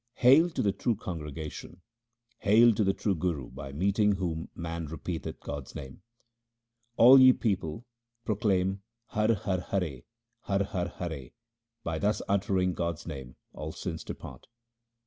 Hail to the true congregation ! hail to the true Guru by meeting whom man repeateth God's name ! All ye people, proclaim Har, Har, Hare, Har, Har, Hare ; by thus uttering God's name all sins depart.